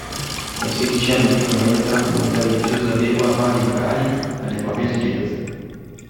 Nei sedici anni di permanenza la comunità religiosa adegua vari locali alle proprie esigenze.